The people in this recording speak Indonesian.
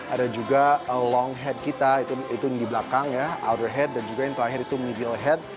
ada juga long head kita itu di belakang ya our head dan juga yang terakhir itu middle head